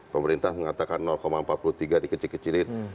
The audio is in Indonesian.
pemerintah mengatakan empat puluh tiga di kecil kecilin